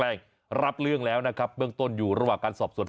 แล้วของร้านเขามาอยู่ร้านสักรีด